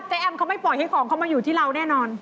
แอมเขาไม่ปล่อยให้ของเขามาอยู่ที่เราแน่นอน